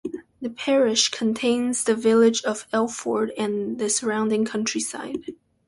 The parish contains the village of Elford and the surrounding countryside.